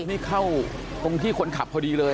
นี่เข้าตรงที่คนขับพอดีเลย